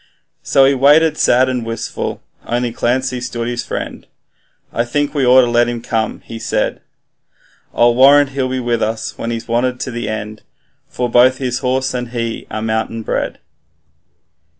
So he waited sad and wistful only Clancy stood his friend 'I think we ought to let him come,' he said; 'I warrant he'll be with us when he's wanted at the end, For both his horse and he are mountain bred.